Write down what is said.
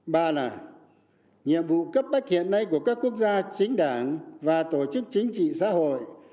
ba là nhiệm vụ cấp bách hiện nay của các quốc gia chính đảng và tổ chức chính trị xã hội